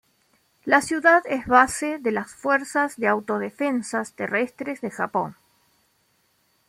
La ciudad es base de las Fuerzas de Autodefensas Terrestres de Japón.